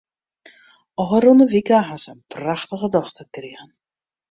Ofrûne wike hat se in prachtige dochter krigen.